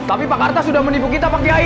tapi pak karta sudah menipu kita pak kiai